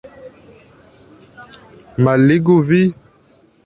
Malligu, vi!